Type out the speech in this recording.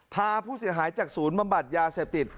พาผู้เสียหายจากศูนย์บำบัดยาเสพติด